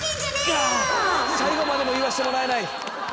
最後までも言わしてもらえない！